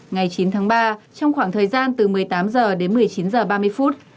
ngày chín tháng ba trong khoảng thời gian từ một mươi tám h đến một mươi chín h ba mươi phút